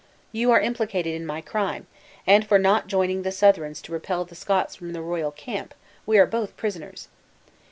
You are implicated in my crime; and for not joining the Southrons to repel the Scots from the royal camp, we are both prisoners!"